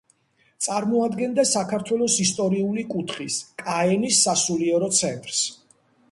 წარმოადგენდა საქართველოს ისტორიული კუთხის, კაენის სასულიერო ცენტრს.